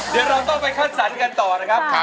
เดี๋ยวเราต้องไปคัดสรรกันต่อนะครับ